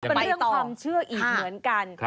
เป็นเรื่องความเชื่ออีกเหมือนกัน